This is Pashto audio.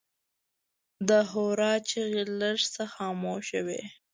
د هورا چیغې لږ څه خاموشه وې.